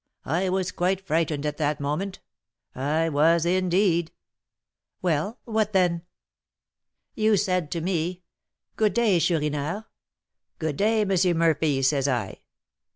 I was quite frightened at that moment; I was, indeed " "Well, what then?" "You said to me, 'Good day, Chourineur.' 'Good day, M. Murphy,' says I.